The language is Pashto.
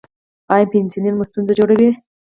ایا پنسلین مو ستونزه جوړوي؟